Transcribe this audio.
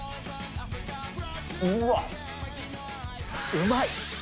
うわっ、うまい。